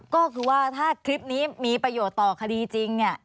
ก็คือว่าถ้าคลิปนี้มีประโยชน์ต่อคดีจริงเนี่ย